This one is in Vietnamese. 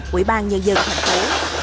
quỹ ban nhân dân thành phố